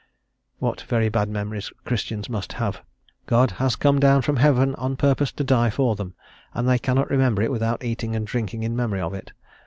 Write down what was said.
What very bad memories Christians must have! God has come down from heaven on purpose to die for them, and they cannot remember it without eating and drinking in memory of it.